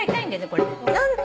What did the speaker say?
これ。